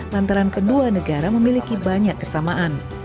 lantaran kedua negara memiliki banyak kesamaan